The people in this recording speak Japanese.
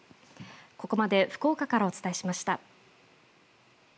ここまで福岡からお伝えしました。